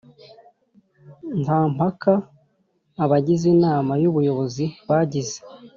Nta mpaka abagize inama y’ubuyobozi bagize